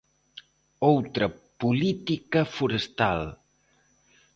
Outra política forestal.